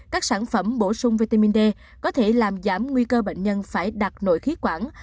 các sản phẩm bổ sung vitamin d có thể làm giảm nguy cơ bệnh nhân phải đặt nội khí quản